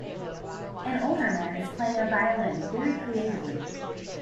An older man is playing a violin very creatively.